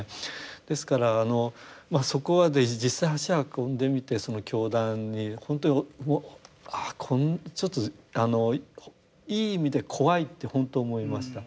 ですからそこまで実際足運んでみてその教団に本当にちょっとあのいい意味で怖いって本当思いました。